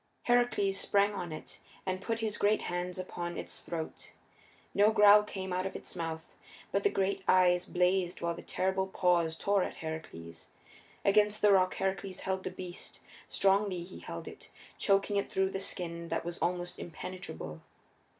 Heracles sprang on it and put his great hands upon its throat. No growl came out of its mouth, but the great eyes blazed while the terrible paws tore at Heracles. Against the rock Heracles held the beast; strongly he held it, choking it through the skin that was almost impenetrable.